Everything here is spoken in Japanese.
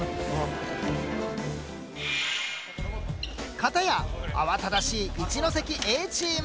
片や慌ただしい一関Ａチーム。